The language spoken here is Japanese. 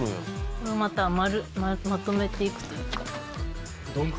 これをまたまとめていくというか。